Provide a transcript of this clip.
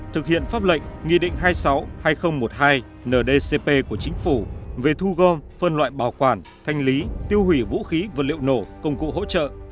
thực hiện pháp lệnh nghị định hai mươi sáu hai nghìn một mươi hai ndcp của chính phủ về thu gom phân loại bảo quản thanh lý tiêu hủy vũ khí vật liệu nổ công cụ hỗ trợ